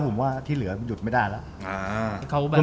ผมว่าที่เหลือหยุดไม่ได้แล้ว